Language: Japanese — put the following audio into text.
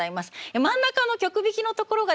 真ん中の曲弾きのところがですね